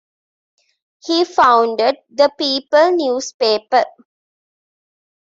He founded "The People" newspaper.